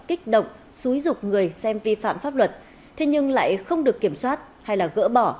kích động xúi dục người xem vi phạm pháp luật thế nhưng lại không được kiểm soát hay là gỡ bỏ